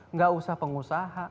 enggak usah pengusaha